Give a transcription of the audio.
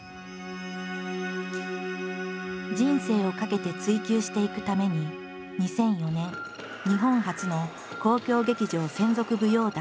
人生を懸けて追求していくために２００４年日本初の公共劇場専属舞踊団Ｎｏｉｓｍに入団。